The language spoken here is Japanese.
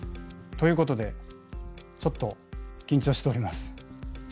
ということでちょっと緊張しております。